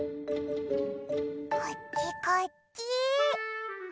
こっちこっち！